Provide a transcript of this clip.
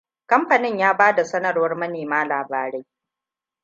Kamfanin ya ba da sanarwar manema labarai.